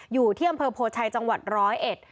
อยู่ที่อำเภอโพชัยจังหวัดร้อยเอ็ด